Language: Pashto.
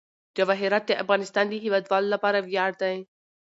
جواهرات د افغانستان د هیوادوالو لپاره ویاړ دی.